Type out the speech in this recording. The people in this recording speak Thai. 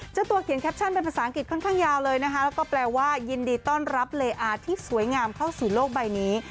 เจ้าตัวเขียนแคปชั่นเป็นภาษาอังกฤษค่อนข้างยาวเลยนะคะแล้วก็แปลว่ายินดีต้อนรับเลอาที่สวยงามเข้าสู่โลกใบนี้